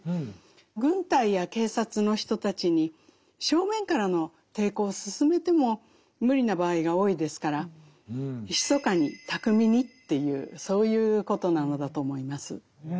軍隊や警察の人たちに正面からの抵抗を勧めても無理な場合が多いですから密かに巧みにっていうそういうことなのだと思います。